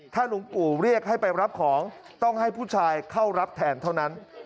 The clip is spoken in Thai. ถ้าหลวงปู่เรียกให้ไปรับของต้องให้ผู้ชายเข้ารับแทนเท่านั้น